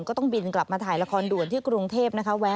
ก็ต้องบินกลับมาถ่ายละครด่วนที่กรุงเทพนะคะ